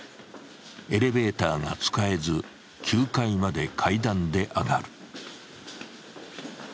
エレベーターが使えず９階まで階段で上がる。